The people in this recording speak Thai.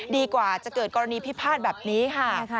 ดีกว่าจะเกิดกรณีพิพาทแบบนี้ค่ะ